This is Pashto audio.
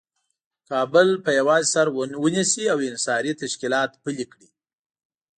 کابل په یوازې سر ونیسي او انحصاري تشکیلات پلي کړي.